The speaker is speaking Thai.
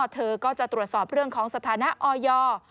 เธอก็จะตรวจสอบเรื่องของสถานะออย